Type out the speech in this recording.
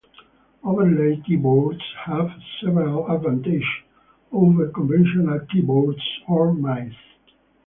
Overlay keyboards have several advantages over conventional keyboards or mice.